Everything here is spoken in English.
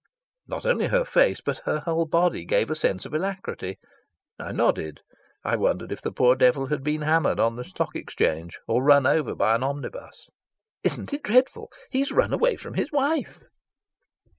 Not only her face, but her whole body, gave a sense of alacrity. I nodded. I wondered if the poor devil had been hammered on the Stock Exchange or run over by an omnibus. "Isn't it dreadful? He's run away from his wife."